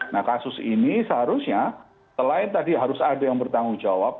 nah kasus ini seharusnya selain tadi harus ada yang bertanggung jawab